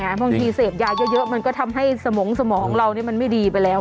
บางทีเสพยาเยอะมันก็ทำให้สมองสมองเรามันไม่ดีไปแล้ว